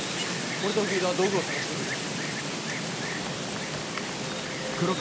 俺と荻生田は道具を探してくる。